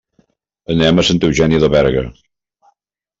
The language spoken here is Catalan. Anem a Santa Eugènia de Berga.